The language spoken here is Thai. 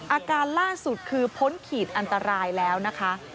อาการล่าสุดคือพ้นขีดอันตรายแล้วนะคะ